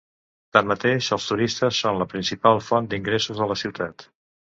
Tanmateix, els turistes són la principal font d'ingressos de la ciutat.